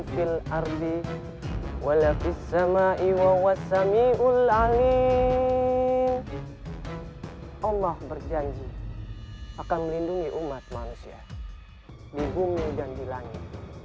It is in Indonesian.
allah berjanji akan melindungi umat manusia di bumi dan di langit